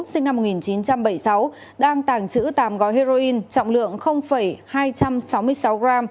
sinh năm một nghìn chín trăm bảy mươi sáu đang tàng trữ tám gói heroin trọng lượng hai trăm sáu mươi sáu g